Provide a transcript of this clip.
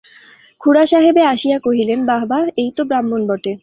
খুড়াসাহেবে আসিয়া কহিলেন, বাহবা, এই তো ব্রাহ্মণ বটে।